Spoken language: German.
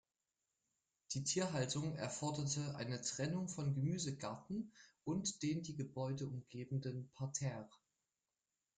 Die Tierhaltung erforderte eine Trennung von Gemüsegarten und den die Gebäude umgebenden Parterre.